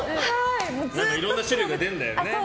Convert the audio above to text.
いろいろな種類が出るんだよね。